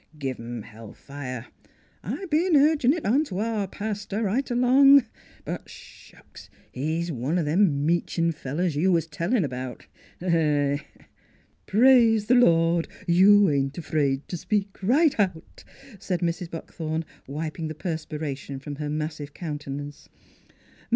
Give 'em hell fire! I've be'n urgin' it ont' our paster right along. But shucks! he's one o' them meechin' fellers, you was tellin' about. He he! " "Praise th' Lord! you ain't afraid t' speak right out," said Mrs. Buckthorn, wiping the per spiration from her massive countenance.